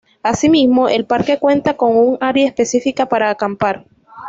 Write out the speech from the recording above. Asimismo, el parque cuenta con un área específica para acampar.